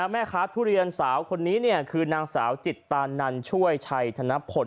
แม่ค้าทุเรียนสาวคนนี้เนี่ยคือนางสาวจิตตานันช่วยชัยธนพล